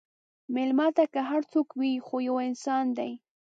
مېلمه ته که هر څوک وي، خو یو انسان دی.